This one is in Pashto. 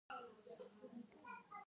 په دې پاڅون کې دیرش زره کسانو برخه لرله.